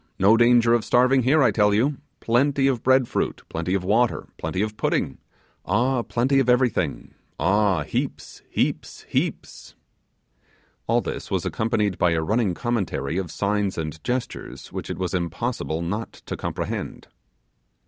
no danger of starving here, I tell you! plenty of bread fruit plenty of water plenty of pudding ah! plenty of everything! ah! heaps, heaps heaps!' All this was accompanied by a running commentary of signs and gestures which it was impossible not to comprehend.